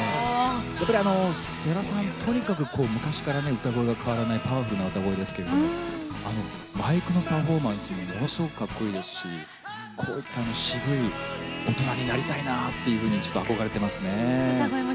やっぱり世良さんとにかく昔から歌声が変わらないパワフルな歌声ですけれどマイクのパフォーマンスもものすごいかっこいいですしこういった渋い大人になりたいなと憧れてますね。